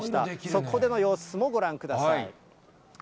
そこでの様子もご覧ください。